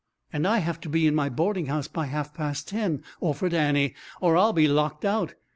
"And I have to be in my boarding house by half past ten," offered Annie, "or I'll be locked out.